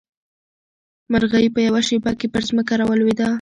مرغۍ په یوه شېبه کې پر ځمکه راولوېده.